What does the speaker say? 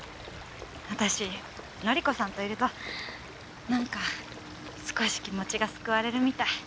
私典子さんといるとなんか少し気持ちが救われるみたい。